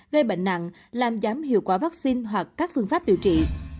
gây bệnh nặng làm giảm hiệu quả vaccine hoặc các phương pháp điều trị